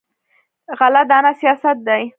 غله دانه سیاست دی.